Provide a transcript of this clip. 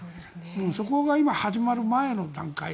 そこが今、始まる前の段階。